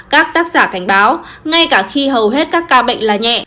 các tác giả cảnh báo ngay cả khi hầu hết các ca bệnh là nhẹ